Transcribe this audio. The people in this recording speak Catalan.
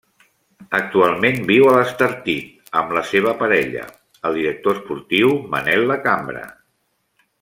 Actualment viu a l'Estartit, amb la seva parella, el director esportiu Manel Lacambra.